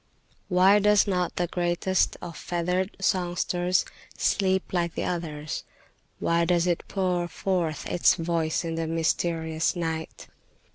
"Why does not the greatest of feathered songsters sleep like the others? Why does it pour forth its voice in the mysterious night?